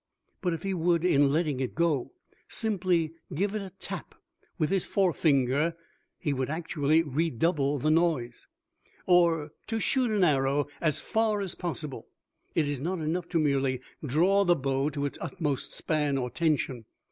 But if he would in letting it go simply give it a tap with his forefinger he would actually redouble the noise. Or, to shoot an arrow as far as possible, it is not enough to merely draw the bow to its utmost span or tension.